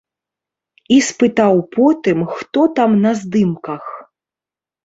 І спытаў потым, хто там на здымках.